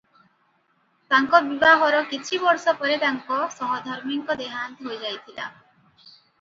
ତାଙ୍କ ବିବାହର କିଛି ବର୍ଷ ପରେ ତାଙ୍କ ସହଧର୍ମୀଙ୍କ ଦେହାନ୍ତ ହୋଇଯାଇଥିଲା ।